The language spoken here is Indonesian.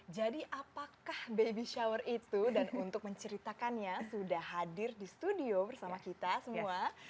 jadi apakah baby shower itu dan untuk menceritakannya sudah hadir di studio bersama kita semua